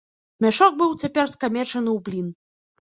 Мяшок быў цяпер скамечаны ў блін.